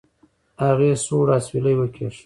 هغې سوړ اسويلى وکېښ.